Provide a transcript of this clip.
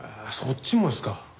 そっちもですか。